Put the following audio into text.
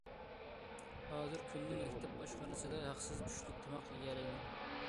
ھازىر كۈندە مەكتەپ ئاشخانىسىدا ھەقسىز چۈشلۈك تاماق يېيەلەيدۇ.